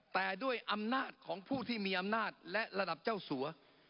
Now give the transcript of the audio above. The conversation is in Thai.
แต่ด้วยอำนาจของผู้ที่มีอำนาจและระดับเจ้าสัว